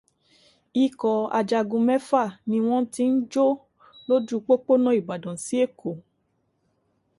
Ikọ̀ ajagun mẹ́fà ni wọ́n ti ń jó lójú pópónà Ìbàdàn sí Èkó